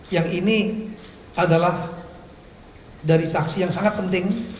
yang ini adalah dari saksi yang sangat penting